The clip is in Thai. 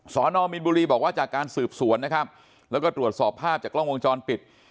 สอนอมมีนบุรีบอกว่าจากการสืบสวนนะครับแล้วก็ตรวจสอบภาพจากกล้องวงจรปิด